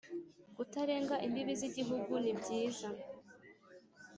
Kutarenga imbibi z Igihugu ni byiza